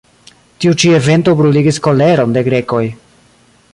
Tiu ĉi evento bruligis koleron de grekoj.